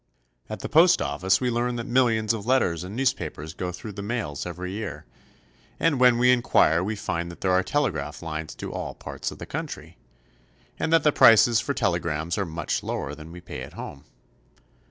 • At the post office we learn that millions of letters and newspapers go through the mails every year, and when we inquire we find that there are telegraph lines to all parts of the country, and that the prices for telegrams are much lower than we pay at home.